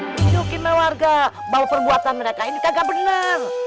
tujukin mewarga bahwa perbuatan mereka ini kagak bener